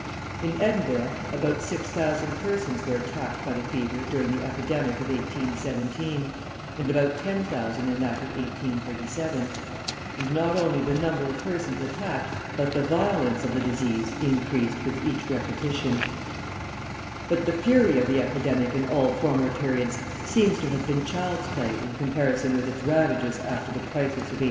In Edinburgh about 6,000 persons were attacked by the fever during the epidemic of 1817, and about 10,000 in that of 1837, and not only the number of persons attacked but the violence of the disease increased with each repetition. {100a} But the fury of the epidemic in all former periods seems to have been child's play in comparison with its ravages after the crisis of 1842.